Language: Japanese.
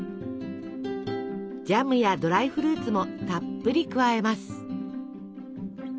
ジャムやドライフルーツもたっぷり加えます。